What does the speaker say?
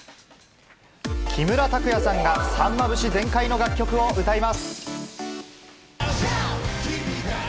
木村拓哉さんがさんま節全開の楽曲を歌います。